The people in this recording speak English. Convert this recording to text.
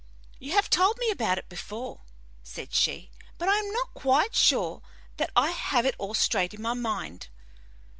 "You have told me about it before," said she, "but I am not quite sure that I have it all straight in my mind.